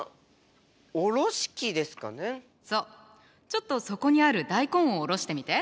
ちょっとそこにある大根をおろしてみて。